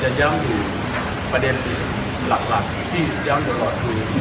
จะแย้นอยู่ประเด็นหลักที่ย้ำทุกคลบ